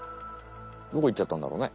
どこいっちゃったんだろうね？